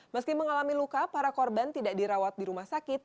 meski mengalami luka para korban tidak dirawat di rumah sakit